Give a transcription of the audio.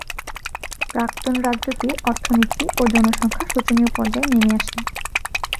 প্রাক্তন রাজ্যটির অর্থনীতি ও জনসংখ্যা শোচনীয় পর্যায়ে নেমে আসে।